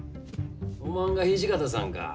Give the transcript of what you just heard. おまんが土方さんか。